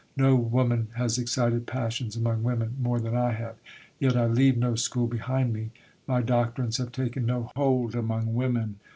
No woman has excited "passions" among women more than I have. Yet I leave no school behind me. My doctrines have taken no hold among women.